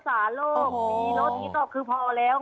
สามสิบบอโอเคไหม